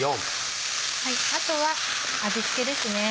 あとは味付けですね。